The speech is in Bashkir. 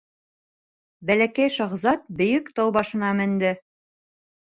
Бәләкәй шаһзат бейек тау башына менде.